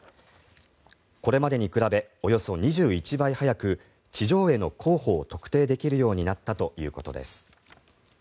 これまでに比べおよそ２１倍速く地上絵の候補を特定できるようになったということです。